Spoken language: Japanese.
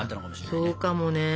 そうかもね。